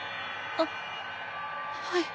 あっはい。